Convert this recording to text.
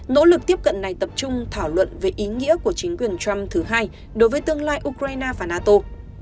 nỗ lực tiếp cận này tập trung thảo luận về ý nghĩa của chính quyền trump thứ hai đối với tương lai ukraine và nato